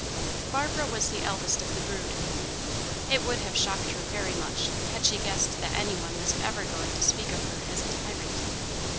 Barbara was the eldest of the brood. It would have shocked her very much, had she guessed that any one was ever going to speak of her as a "tyrant."